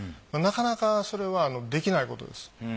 なかなかそれはできないことです。